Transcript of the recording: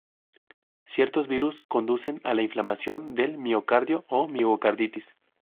Ciertos virus conducen a la inflamación del miocardio o miocarditis.